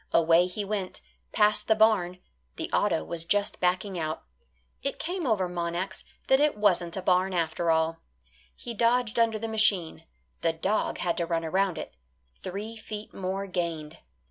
Away he went, past the barn; the auto was just backing out; it came over Monax that it wasn't a barn after all. He dodged under the machine; the dog had to run around it; three feet more gained.